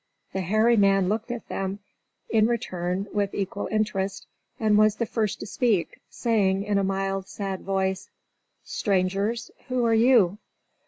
The hairy man looked at them, in return with equal interest, and was the first to speak, saying in a mild, sad voice: "Strangers, who are you?"